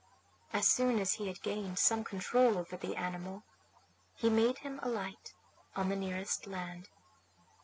As soon as he had gained some control over the animal he made him alight on the nearest land.